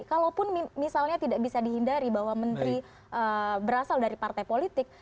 kalaupun misalnya tidak bisa dihindari bahwa menteri berasal dari partai politik